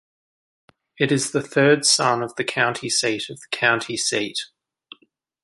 It is the third son of the county seat of the county seat.